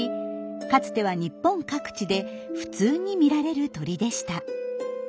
かつては日本各地で普通に見られる鳥でした。